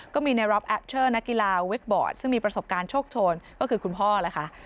ก็มีในรอบแอปเชอร์นักกีฬาวิกบอร์ดซึ่งมีประสบการณ์โชคโชนก็คือคุณพ่อแหละค่ะ